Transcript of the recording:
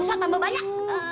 eh dosa tambah banyak